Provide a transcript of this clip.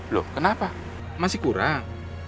loh kenapa masih kurang